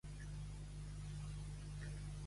Els de Búger, bugerrons.